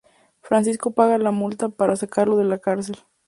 Francisco paga la multa para sacarlo de la cárcel.